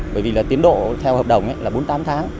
bởi vì là tiến độ theo hợp đồng là bốn mươi tám tháng